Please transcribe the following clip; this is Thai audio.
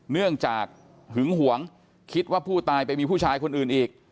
เนื่องจากหึงหวงคิดว่าผู้ตายไปมีผู้ชายคนอื่นอีก